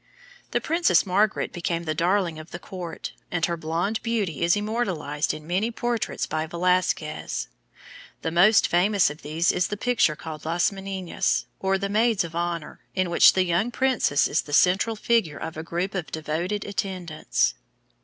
The Princess Margaret became the darling of the court, and her blonde beauty is immortalized in many portraits by Velasquez. The most famous of these is the picture called "Las Meninas," or The Maids of Honor, in which the young princess is the central figure of a group of devoted attendants.